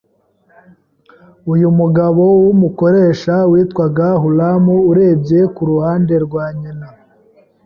Uyu mugabo w’umukoresha witwaga Huramu, urebye ku ruhande rwa nyina,